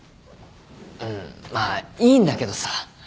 んまあいいんだけどさ。